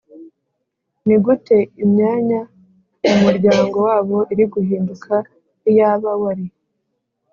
Ni gute imyanya mu muryango wabo iri guhinduka Iyaba wari